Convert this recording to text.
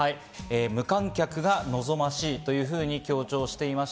無観客が望ましいというふうに強調しています。